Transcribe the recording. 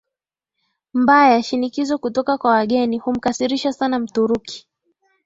Mbaya Shinikizo kutoka kwa wageni humkasirisha sana Mturuki